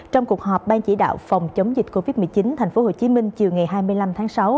trong cuộc họp ban chỉ đạo phòng chống dịch covid một mươi chín tp hcm chiều ngày hai mươi năm tháng sáu